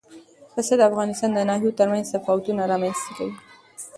پسه د افغانستان د ناحیو ترمنځ تفاوتونه رامنځ ته کوي.